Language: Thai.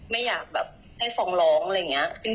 ไม่อยากแบบให้ฟองร้องอะไรอย่างนี้